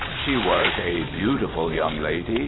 She was a beautiful young lady.